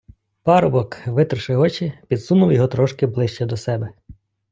Парубок, витерши очі, підсунув його трошки ближче до себе.